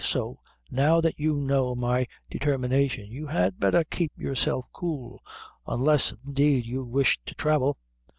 So now that you know my determination you had betther keep yourself cool, unless, indeed, you wish to thravel.